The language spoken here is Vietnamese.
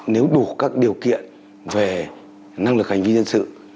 nếu đủ các điều kiện về năng lực hành vi dân sự